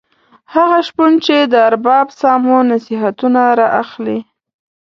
هغه شپون چې د ارباب سامو نصیحتونه را اخلي.